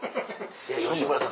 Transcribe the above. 吉村さん